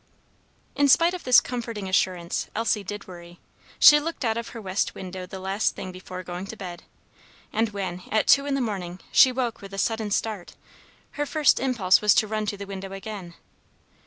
In spite of this comforting assurance, Elsie did worry. She looked out of her west window the last thing before going to bed; and when, at two in the morning, she woke with a sudden start, her first impulse was to run to the window again.